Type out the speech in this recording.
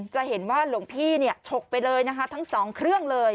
จะเห็นว่าหลวงพี่ฉกไปเลยนะคะทั้งสองเครื่องเลย